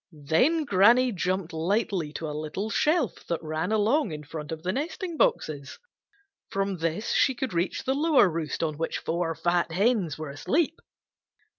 Then Granny jumped lightly to a little shelf that ran along in front of the nesting boxes. From this she could reach the lower roost on which four fat hens were asleep.